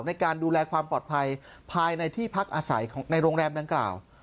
ในการดูแลความปลอดภัยภายในที่พักอาศัยของในโรงแรมดังกล่าว